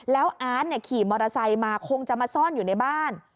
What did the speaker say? แล้วอาร์ตขี่มอเตอร์ไซค์มาคงจะมาซ่อนอยู่ในบ้าน